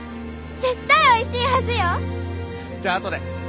絶対おいしいはずよ！じゃあ後で。